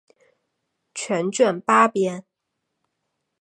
全卷八编。